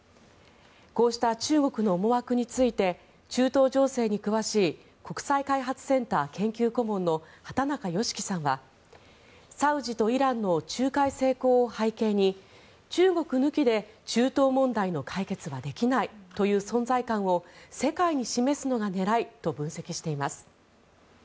こうした中国の思惑について中東情勢に詳しい国際開発センター研究顧問の畑中美樹さんはサウジとイランの仲介成功を背景に中国抜きで中東問題の解決はできないという存在感を世界に示すのが狙いと分析しています。